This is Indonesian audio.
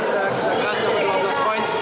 kita keras dapat dua belas poin